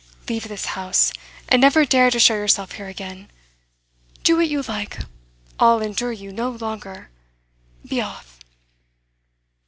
'Leave this house, and never dare to show yourself here again! Do what you like, I'll endure you no longer be off!